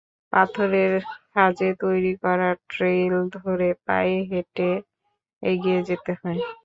পাথরের খাঁজে তৈরি করা ট্রেইল ধরে পায়ে হেঁটে এগিয়ে যেতে হয়।